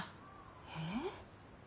えっ？